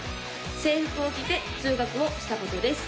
制服を着て通学をしたことです